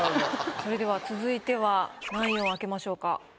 それでは続いては何位を開けましょうか？